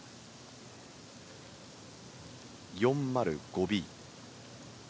４０５Ｂ。